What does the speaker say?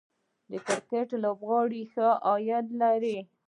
د کرکټ لوبغاړي ښه عاید لري